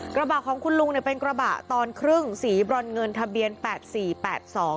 กระบะของคุณลุงเนี่ยเป็นกระบะตอนครึ่งสีบรอนเงินทะเบียนแปดสี่แปดสอง